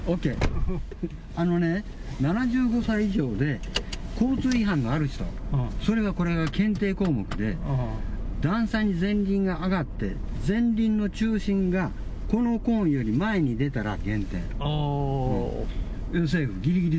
あのね、７５歳以上で交通違反のある人、それがこれ検定項目で、段差に前輪が上がって、前輪の中心がこのコーンより前に出たら減点。